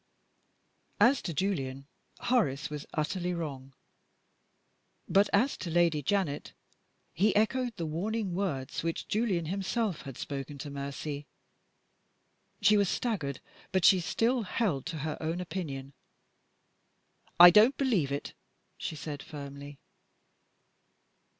As to Julian, Horace was utterly wrong. But as to Lady Janet, he echoed the warning words which Julian himself had spoken to Mercy. She was staggered, but she still held to her own opinion. "I don't believe it," she said, firmly.